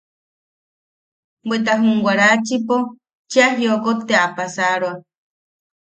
Bweta jum Warachipo cheʼa jiokot te a paasaroa.